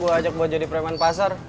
dulu gue ajak lo jadi perman pasar